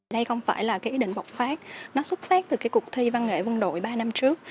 đây không phải là cái ý định bộc phát nó xuất phát từ cái cuộc thi văn nghệ quân đội ba năm trước